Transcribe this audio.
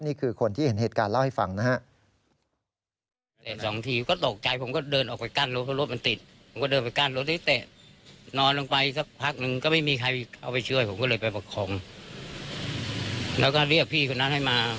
นี่คือคนที่เห็นเหตุการณ์เล่าให้ฟังนะฮะ